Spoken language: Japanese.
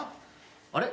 あれ？